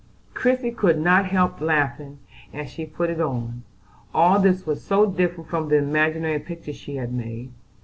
Christie could not help laughing as she put it on: all this was so different from the imaginary picture she had made.